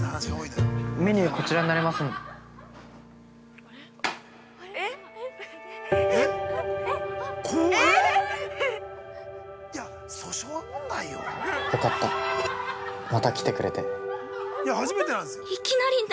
メニューこちらになりますよかった、また来てくれて。